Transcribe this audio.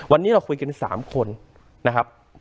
วันนี้เราคุยกัน๓คนนะครับ